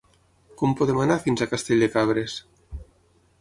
Com podem anar fins a Castell de Cabres?